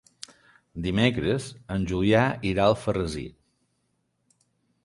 Dimecres en Julià irà a Alfarrasí.